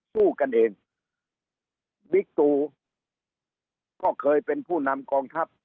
สู้กันเองบิ๊กตูก็เคยเป็นผู้นำกองทัพ